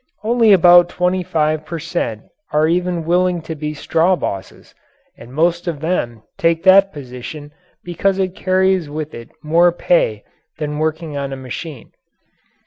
Only about twenty five per cent. are even willing to be straw bosses, and most of them take that position because it carries with it more pay than working on a machine.